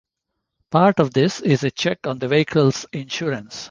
Part of this is a check on the vehicle's insurance.